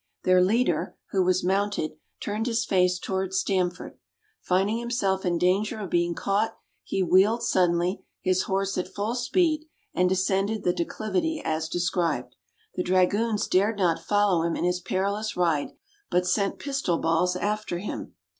Their leader, who was mounted, turned his face toward Stamford. Finding himself in danger of being caught, he wheeled suddenly, his horse at full speed, and descended the declivity as described. The dragoons dared not follow him in his perilous ride, but sent pistol balls after him.